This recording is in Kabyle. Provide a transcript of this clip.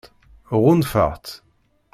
Ɣunfaɣ-tt.